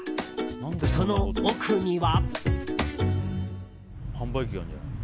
その奥には。